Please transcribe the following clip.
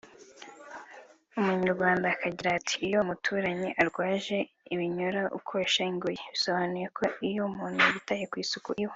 Umunyarwanda akagira ati 'iyo umuturanyi arwaje ibinyoro ukosha ingobyi' bisobanura ko iyo umuntu yitaye ku isuku iwe